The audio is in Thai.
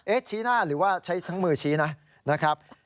ชี้หน้าหรือว่าใช้ทั้งมือชี้นะนะครับ